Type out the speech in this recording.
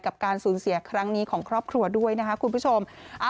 การสูญเสียครั้งนี้ของครอบครัวด้วยนะครับคุณผู้ชม